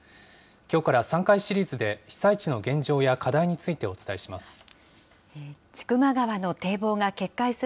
きょうから３回シリーズで、被災地の現状や課題についてお伝えします。